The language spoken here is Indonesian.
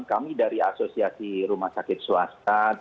kami dari asosiasi rumah sakit swasta